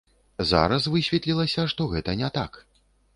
Зараз высветлілася, што гэта не так.